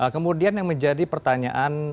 kemudian yang menjadi pertanyaan